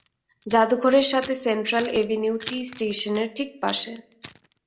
জাদুঘরের সাথে central avenue টি স্টেশনের ঠিক পাশে।